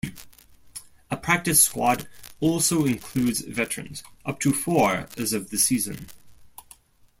A practice squad also includes veterans, up to four as of the season.